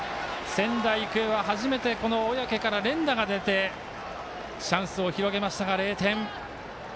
仙台育英は初めてこの小宅から連打が出てチャンスを広げましたが０点。